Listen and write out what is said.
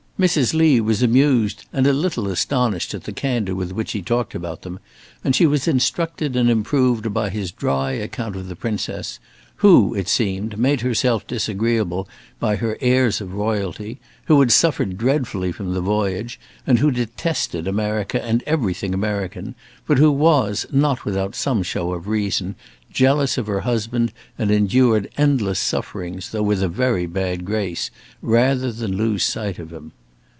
Mrs. Lee was amused and a little astonished at the candour with which he talked about them, and she was instructed and improved by his dry account of the Princess, who, it seemed, made herself disagreeable by her airs of royalty; who had suffered dreadfully from the voyage; and who detested America and everything American; but who was, not without some show of reason, jealous of her husband, and endured endless sufferings, though with a very bad grace, rather than lose sight of him.